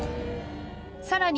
さらに